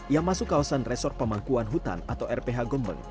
yang masuk kawasan resor pemangkuan hutan atau rph gombeli